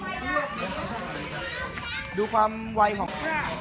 ท่านผู้ชมดูลำตัวประมาณดูความวัยของ